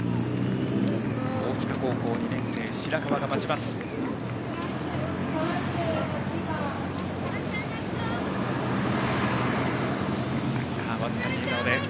大塚高校２年生の白川が待つ大阪。